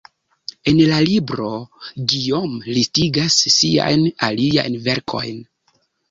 En la libro, Guillaume listigas siajn aliajn verkojn.